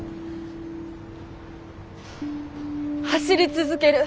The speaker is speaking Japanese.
「走り続ける」